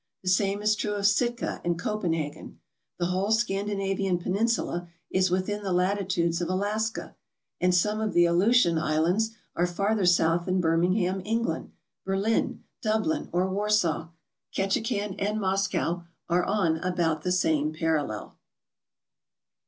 The same is true of Sitka and Copenhagen. The whole Scandina vian peninsula is within the latitudes of Alaska, and some of the Aleutian Islands are farther south than Birmingham, England, Berlin, Dublin, or Warsaw. Ketchikan and Moscow are on about the same parallel.